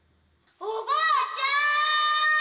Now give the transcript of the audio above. おばあちゃん！